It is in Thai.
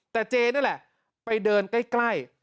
แต่เจ๊นั่นนั่นแหละไปเดินใกล้